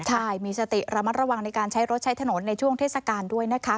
ใช่มีสติระมัดระวังในการใช้รถใช้ถนนในช่วงเทศกาลด้วยนะคะ